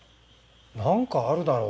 何かあるだろう。